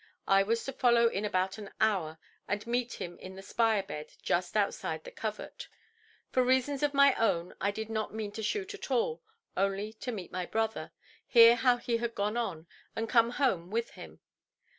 I was to follow in about an hour, and meet him in the spire–bed just outside the covert. For reasons of my own, I did not mean to shoot at all, only to meet my brother, hear how he had got on, and come home with him.